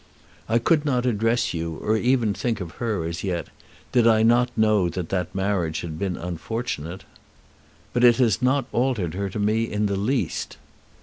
I could not address you or even think of her as yet, did I not know that that marriage had been unfortunate. But it has not altered her to me in the least.